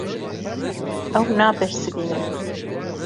Ew nabersivînin.